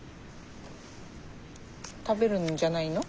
食べるんじゃないの？